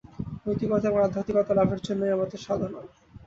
নৈতিকতা এবং আধ্যাত্মিকতা লাভের জন্যই আমাদের সাধনা।